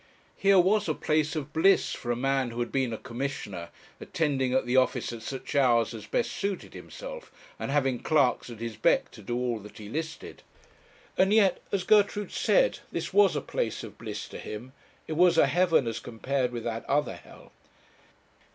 Here was a place of bliss for a man who had been a commissioner, attending at the office at such hours as best suited himself, and having clerks at his beck to do all that he listed. And yet, as Gertrude said, this was a place of bliss to him. It was a heaven as compared with that other hell.